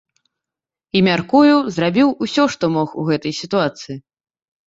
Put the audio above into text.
І, мяркую, зрабіў усё, што мог у гэтай сітуацыі.